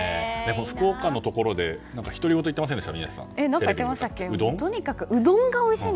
福岡のところで独り言言っていませんでした？